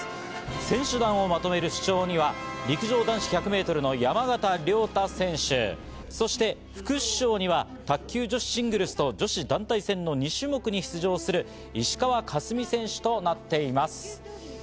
選手団をまとめる主将には陸上男子１００ｍの山縣亮太選手、そして副主将には卓球・女子シングルスと女子団体戦の２種目に出場する石川佳純選手となっています。